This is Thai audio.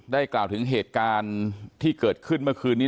กล่าวถึงเหตุการณ์ที่เกิดขึ้นเมื่อคืนนี้